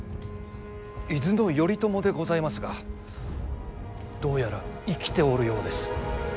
伊豆の頼朝でございますがどうやら生きておるようです。